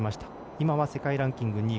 今は世界ランキング２位。